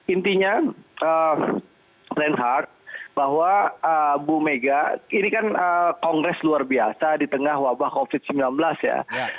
intinya reinhardt bahwa bu mega ini kan kongres luar biasa di tengah wabah covid sembilan belas ya